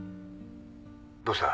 ☎どうした？